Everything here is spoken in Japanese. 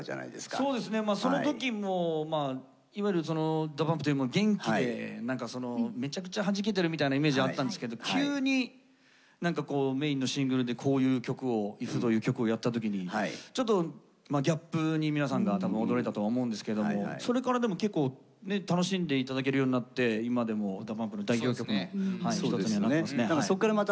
そうですねまあその時もいわゆるＤＡＰＵＭＰというもの元気でめちゃくちゃはじけてるみたいなイメージあったんですけど急にメインのシングルでこういう曲を「ｉｆ」という曲をやった時にちょっとギャップに皆さんが多分驚いたとは思うんですけどもそれからでも結構楽しんで頂けるようになって今でもＤＡＰＵＭＰの代表曲の一つになってますね。